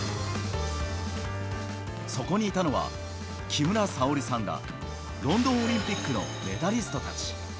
そこにいたのは、木村沙織さんらロンドンオリンピックのメダリストたち。